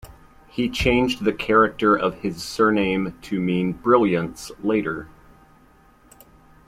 He changed the character of his surname to mean "Brilliance" later.